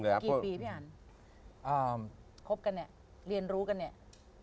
กี่ปีพี่อันอ่าคบกันเนี่ยเรียนรู้กันเนี่ย